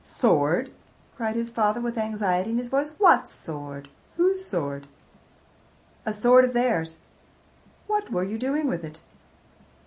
"Sword?" cried his father, with anxiety in his voice. "What sword? Whose sword?" "A sword of theirs." "What were you doing with it?"